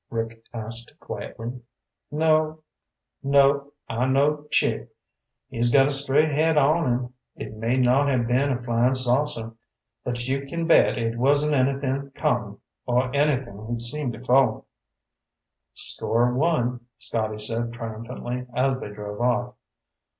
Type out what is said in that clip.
Rick asked quietly. "Nope. I know Chick. He's got a straight head on him. It may not have been a flyin' saucer, but you can bet it wasn't anythin' common, or anythin' he'd seen before." "Score one," Scotty said triumphantly as they drove off.